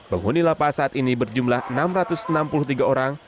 penghuni lapas saat ini berjumlah enam ratus enam puluh tiga orang